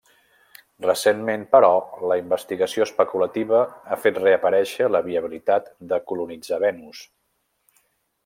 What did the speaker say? Recentment però, la investigació especulativa ha fet reaparèixer la viabilitat de colonitzar Venus.